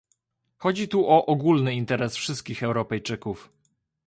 Chodzi tu o ogólny interes wszystkich Europejczyków